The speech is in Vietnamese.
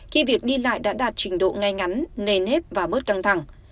khi việc đi lại đã đạt trình độ ngay ngắn nền nếp và bớt căng thẳng